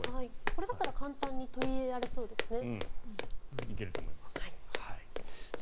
これだったら簡単に取り入れられそうですね。